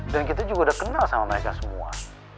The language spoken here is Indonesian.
dan kita juga udah kenal sama mereka semua